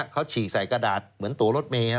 เขาฉีกใส่กระดาษเหมือนตัวรถเมย์